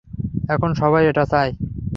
এখন সবাই এটা চায়।